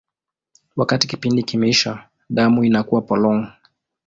Wakati kipindi kimeisha, damu inakuwa polong.